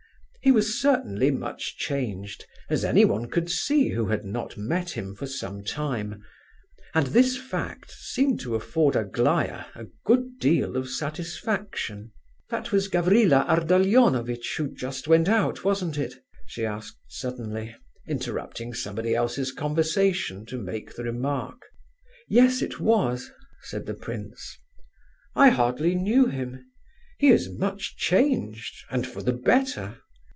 He was certainly much changed, as anyone could see who had not met him for some time; and this fact seemed to afford Aglaya a good deal of satisfaction. "That was Gavrila Ardalionovitch, who just went out, wasn't it?" she asked suddenly, interrupting somebody else's conversation to make the remark. "Yes, it was," said the prince. "I hardly knew him; he is much changed, and for the better!"